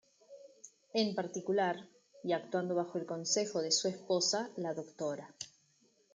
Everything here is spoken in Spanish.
En particular, y actuando bajo el consejo de su esposa, la Dra.